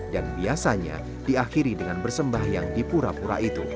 dan biasanya diakhiri dengan bersembah yang di pura pura itu